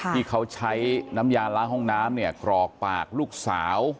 ที่เขาใช้น้ำยาล้างห้องน้ำเนี่ยกรอกปากลูกสาว